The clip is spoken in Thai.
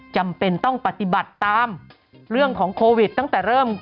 จำเป็นต้องปฏิบัติตามเรื่องของโควิดตั้งแต่เริ่ม